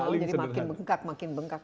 paling sederhana mungkin makin bengkak